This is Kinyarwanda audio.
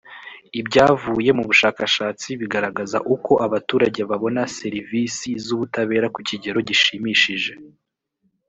ibyavuye mu bushakashatsi biragaragaza uko abaturage babona serivisi z’ubutabera kukigero gishimishije